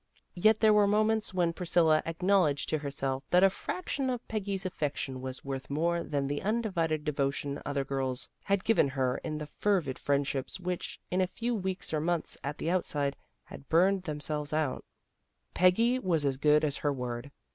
Yet there were moments when Priscilla acknowledged to herself that a fraction of Peggy's affection was worth more than the undivided devotion other girls had given her in the fervid friendships which, in a few weeks or months at the outside, had burned themselves out. 16 THE GIRLS OF FRIENDLY TERRACE Peggy was as good as her word.